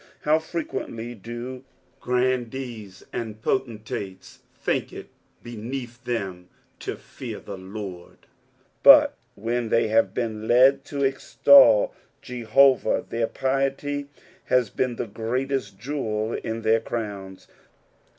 How frequently do grandees and potentates think it beneath them to (ear the Lord ; but, when they have been li^ to extol Jehovah, their piety has been the greatest jewel in their crowns.